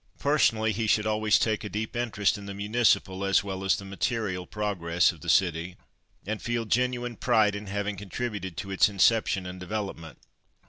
Personally, he should always take a deep interest in the municipal, as well as the material, progress of the city, and feel genuine pride in having contributed to its inception and development.